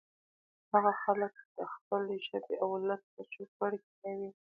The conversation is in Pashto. هغه خلک چې د خپلې ژبې او ولس په چوپړ کې نه وي